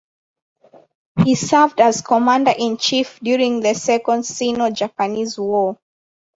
He served as Commander-in-Chief during the Second Sino-Japanese War.